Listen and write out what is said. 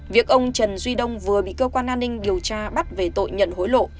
việc ông trần duy đông vừa bị cơ quan an ninh điều tra bắt về tội nhận hối lộ